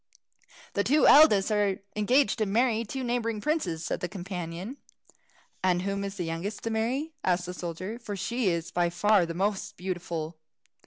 "The two eldest are engaged to marry two neighbouring princes," said the companion. "And whom is the youngest to marry?" asked the soldier, "for she is by far the most beautiful."